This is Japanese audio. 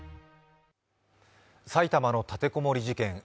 埼玉の立て籠もり事件。